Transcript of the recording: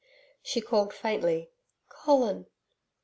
She called faintly, 'Colin.'